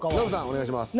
お願いします。